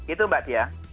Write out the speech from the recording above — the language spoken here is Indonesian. itu mbak tia